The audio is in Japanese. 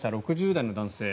６０代の男性。